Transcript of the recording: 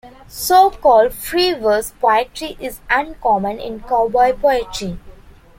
So-called "free verse" poetry is uncommon in cowboy poetry.